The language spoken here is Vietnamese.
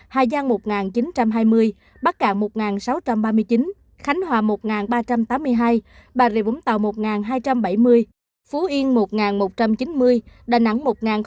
hà giang một chín trăm hai mươi bắc cạn một sáu trăm ba mươi chín khánh hòa một ba trăm tám mươi hai bà rịa vũng tàu một hai trăm bảy mươi phú yên một một trăm chín mươi đà nẵng một tám mươi sáu